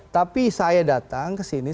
tapi saya datang kesini